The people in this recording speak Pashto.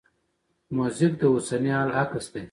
موزیک د اوسني حال عکس دی.